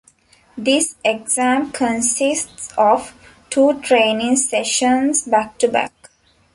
This exam consists of two training sessions back to back.